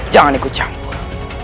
jangan ikut campur